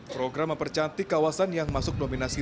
program mempercantik kawasan yang masuk nominasi